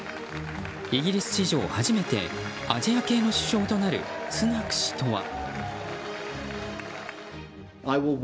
イギリス史上初めてアジア系の首相となるスナク氏とは。